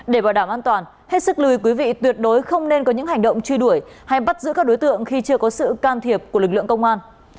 để bảo đảm an toàn hết sức lùi quý vị tuyệt đối không nên có những hành động truy đuổi hay bắt giữ các đối tượng khi chưa có sự can thiệp của lực lượng công an